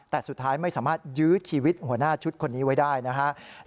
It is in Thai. แต่สุดท้ายไม่สามารถยื้อชีวิตหัวหน้าชุดคนนี้ไว้ได้นะครับ